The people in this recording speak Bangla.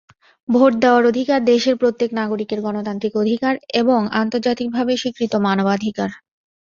ভোট দেওয়ার অধিকার দেশের প্রত্যেক নাগরিকের গণতান্ত্রিক অধিকার এবং আন্তর্জাতিকভাবে স্বীকৃত মানবাধিকার।